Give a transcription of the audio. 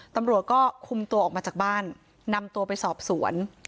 ตำรวจก็คุมตัวออกมาจากบ้านนำตัวไปสอบสวน